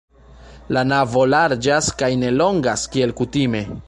La navo larĝas kaj ne longas, kiel kutime.